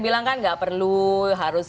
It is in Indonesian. bilang kan nggak perlu harus